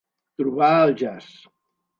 Trobar el jaç.